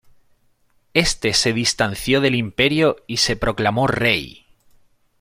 Este se distanció del imperio y se proclamó rey.